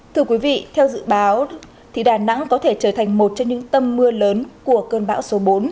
thưa quý vị theo dự báo đà nẵng có thể trở thành một trong những tâm mưa lớn của cơn bão số bốn